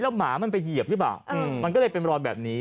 หมามันไปเหยียบหรือเปล่ามันก็เลยเป็นรอยแบบนี้